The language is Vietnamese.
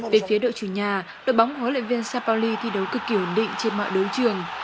về phía đội chủ nhà đội bóng huấn luyện viên sapoli thi đấu cực kỳ ổn định trên mọi đấu trường